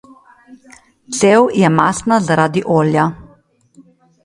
Cev je mastna zaradi olja.